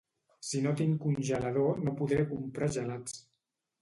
Si no tinc congelador no podré comprar gelats